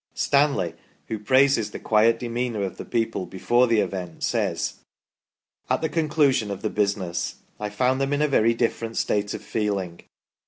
Stanley, who praises the quiet demeanour of the people before the event, says :" At the conclusion of the business I found them in a very different state of feeling.